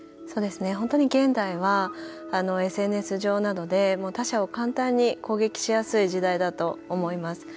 本当に現代はＳＮＳ上などで他者を簡単に攻撃しやすい時代だと思います。